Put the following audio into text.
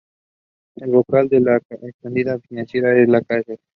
Es vocal de la entidad financiera La Caixa.